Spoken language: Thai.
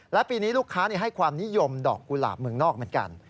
และปีนี้ลูกค้าให้ความนิยมดอกกุหลาบเมืองนอกเหมือนกัน